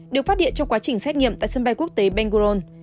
được phát hiện trong quá trình xét nghiệm tại sân bay quốc tế bengron